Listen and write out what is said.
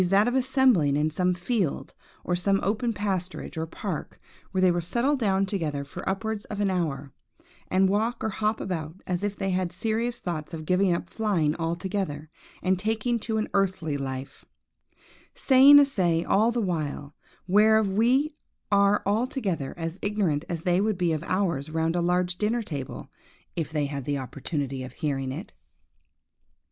that of assembling in some field, or open pasturage, or park, where they will settle down together for upwards of an hour, and walk or hop about, as if they had serious thoughts of giving up flying altogether, and taking to an earthly life; saying a say, all the while, whereof we are altogether as ignorant as they would be of ours round a large dinner table, if they had the opportunity of hearing it.